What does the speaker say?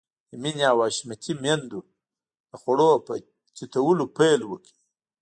د مينې او حشمتي ميندو د خوړو په تيتولو پيل وکړ.